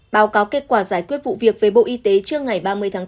báo cáo kết quả giải quyết vụ việc về bộ y tế trước ngày ba mươi tháng bốn